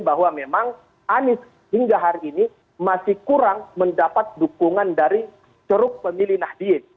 bahwa memang anies hingga hari ini masih kurang mendapat dukungan dari ceruk pemilih nahdien